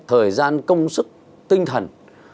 thời gian công sức tinh thần